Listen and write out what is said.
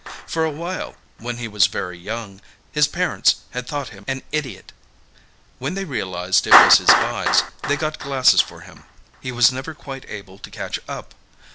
For a while, when he was very young, his parents had thought him an idiot. When they realized it was his eyes, they got glasses for him. He was never quite able to catch up.